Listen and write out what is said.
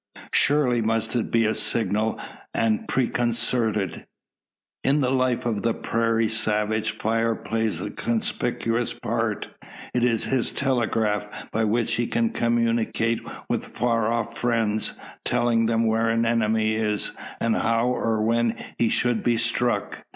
Surely must it be a signal, and preconcerted? In the life of the prairie savage fire plays a conspicuous part. It is his telegraph, by which he can communicate with far off friends, telling them where an enemy is, and how or when he should be "struck."